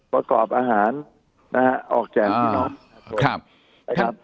ประกอบอาหารนะฮะออกแจกที่น้อง